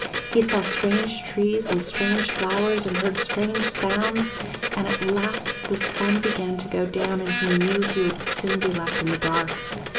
He saw strange trees and strange flowers, and heard strange sounds: and at last the sun began to go down, and he knew he would soon be left in the dark.